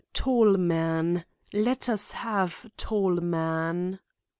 "TALLMAN! LET US HAVE TALLMAN!"